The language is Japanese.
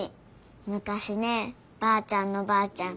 むかしねばあちゃんのばあちゃん